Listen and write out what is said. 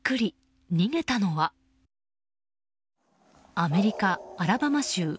アメリカ・アラバマ州。